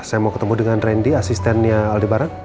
saya mau ketemu dengan rendy asistennya aldebaran